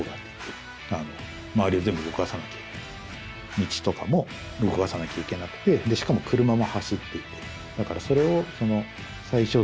道とかも動かさなきゃいけなくてでしかも車も走っていて。